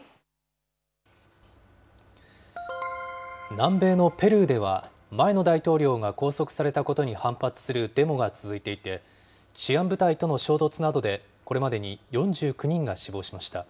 南米のペルーでは、前の大統領が拘束されたことに反発するデモが続いていて、治安部隊との衝突などで、これまでに４９人が死亡しました。